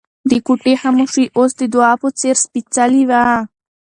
د کوټې خاموشي اوس د دعا په څېر سپېڅلې وه.